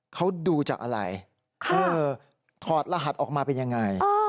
เขาดูจากอะไรถอดรหัสออกมาเป็นยังไง